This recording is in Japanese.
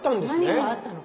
何があったのか。